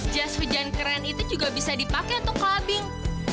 jas hujan keren itu juga bisa dipake untuk clubbing